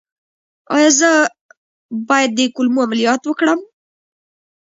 ایا زه باید د کولمو عملیات وکړم؟